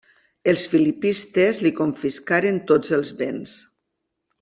Els filipistes li confiscaren tots els béns.